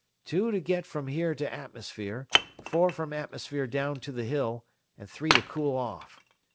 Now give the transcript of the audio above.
"Two to get from here to atmosphere, four from atmosphere down to the Hill, and three to cool off.